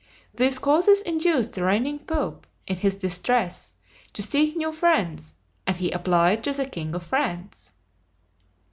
These causes induced the reigning pope, in his distress, to seek new friends, and he applied to the king of France.